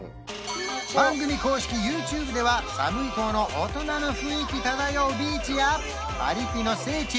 番組公式ＹｏｕＴｕｂｅではサムイ島の大人の雰囲気漂うビーチやパリピの聖地